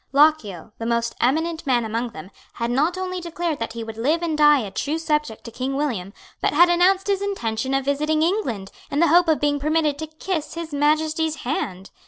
Lochiel, the most eminent man among them, had not only declared that he would live and die a true subject to King William, but had announced his intention of visiting England, in the hope of being permitted to kiss His Majesty's hand.